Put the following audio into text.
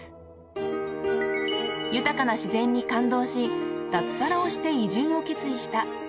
［豊かな自然に感動し脱サラをして移住を決意した］